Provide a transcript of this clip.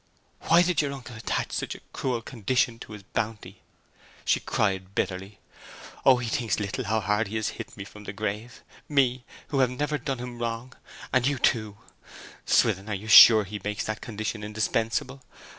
'Why did your uncle attach such a cruel condition to his bounty?' she cried bitterly. 'O, he little thinks how hard he hits me from the grave me, who have never done him wrong; and you, too! Swithin, are you sure that he makes that condition indispensable?